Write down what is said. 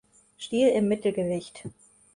Stil im Mittelgewicht.